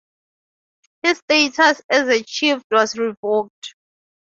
His status as a chief was revoked.